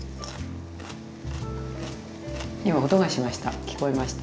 今音がしました。